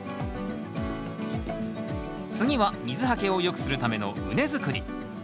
次は水はけを良くするための畝作り。